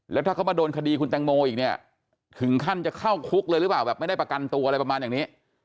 แล้วถ้าเขามาโดนคดีคุณแตงโมอีกเนี่ยถึงขั้นจะเข้าคุกเลยหรือเปล่าแบบไม่ได้ประกันตัวอะไรประมาณอย่างนี้